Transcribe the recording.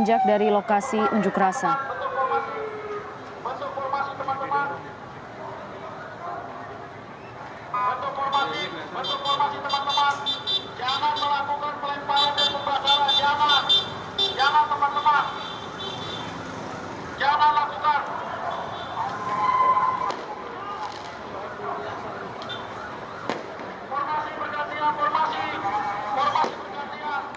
tetapi kita tidak berhasil menghimparchi kami dengan kawan